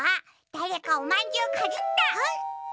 だれかおまんじゅうかじった！